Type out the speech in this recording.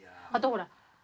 あとほら